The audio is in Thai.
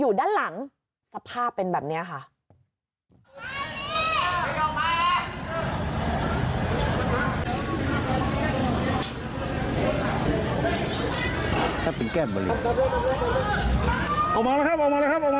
อยู่ด้านหลังสภาพเป็นแบบนี้ค่ะ